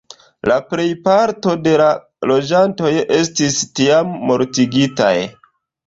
La plejparto de la loĝantoj estis tiam mortigitaj.